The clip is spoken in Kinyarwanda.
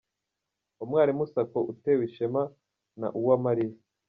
Umwalimu Sacco utewe ishema na Uwamaliya.